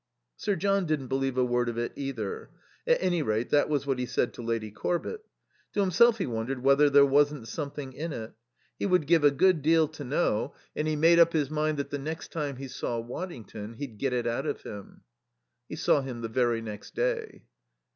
Sir John didn't believe a word of it, either. At any rate, that was what he said to Lady Corbett. To himself he wondered whether there wasn't "something in it." He would give a good deal to know, and he made up his mind that the next time he saw Waddington he'd get it out of him. He saw him the very next day.